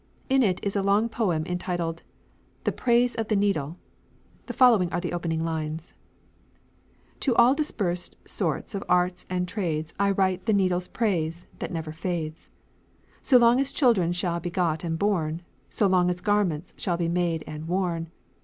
In it is a long poem entitled, "The Prayse of the Needle." The following are the opening lines: "To all dispersed sorts of Arts and Trades I write the needles prayse (that never fades) So long as children shall begot and borne, So long as garments shall be made and worne.